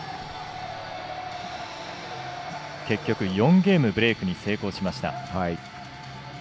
結局４ゲームブレークに成功しました。